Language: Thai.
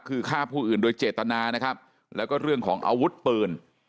คือฆ่าผู้อื่นโดยเจตนานะครับแล้วก็เรื่องของอาวุธปืน